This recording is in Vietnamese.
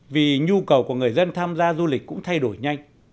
vì nhu cầu của người dân tham gia du lịch cũng thay đổi nhanh